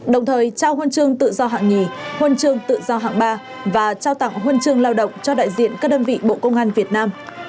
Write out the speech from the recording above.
đồng thời trao huân chương tự do hạng nhì huân chương tự do hạng ba và trao tặng huân chương lao động cho đại diện các đơn vị bộ công an việt nam